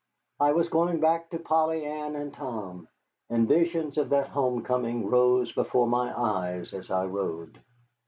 I was going back to Polly Ann and Tom, and visions of that home coming rose before my eyes as I rode.